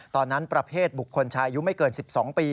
ตอนนั้นประเทศบุคคลชายูไม่เกิน๑๒ปี